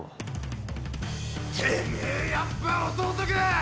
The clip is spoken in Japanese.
てめえやっぱ弟か！